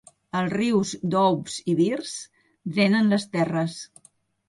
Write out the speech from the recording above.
Els rius Doubs i Birs drenen les terres.